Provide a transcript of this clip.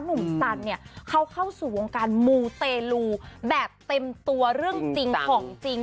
หนุ่มสันเนี่ยเขาเข้าสู่วงการมูเตลูแบบเต็มตัวเรื่องจริงของจริง